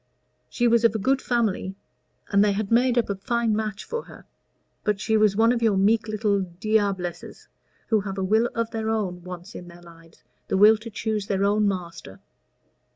She was of a good family, and they had made up a fine match for her. But she was one of your meek little diablesses, who have a will of their own once in their lives the will to choose their own master."